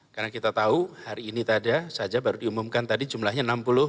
karena kita tahu hari ini tadi saja baru diumumkan tadi jumlahnya enam puluh sembilan